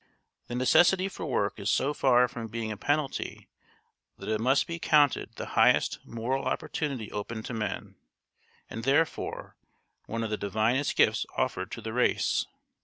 The necessity for work is so far from being a penalty that it must be counted the highest moral opportunity open to men, and, therefore, one of the divinest gifts offered to the race.